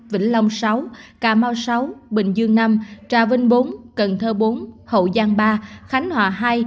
vĩnh long sáu cà mau sáu bình dương năm trà vinh bốn cần thơ bốn hậu giang ba khánh hòa hai